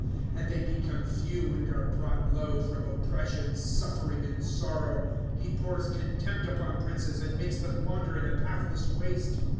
^'^ And they become few, and are brought low. From oppression, suft'ering, and sorrow ;^ He pours contempt upon princes, And makes them wander in a pathless waste.